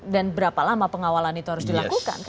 dan berapa lama pengawalan itu harus dilakukan